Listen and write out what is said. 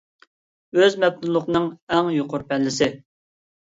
ئۆز مەپتۇنلۇقنىڭ ئەڭ يۇقىرى پەللىسى.